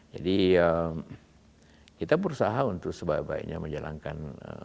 jadi kita berusaha untuk sebaik baiknya menjalankan